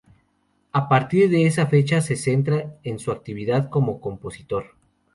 A partir de esta fecha se centra en su actividad como compositor.